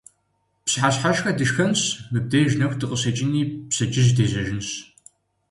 Пщыхьэщхьэшхэ дышхэнщ, мыбдеж нэху дыкъыщекӀынщи, пщэдджыжь дежьэжынщ .